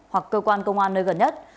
hoặc cơ quan công an nơi gần nhất